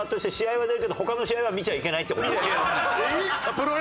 はい！